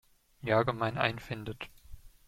Jagemann einfindet.